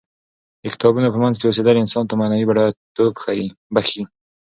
د کتابونو په منځ کې اوسیدل انسان ته معنوي بډایه توب بښي.